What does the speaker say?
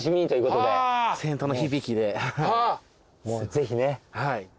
ぜひね。